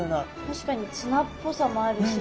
確かにツナっぽさもあるし。